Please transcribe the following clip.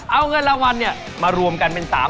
เอาเงินรางวัลเนี่ยมารวมกันเป็น๓๐๐๐๐บาท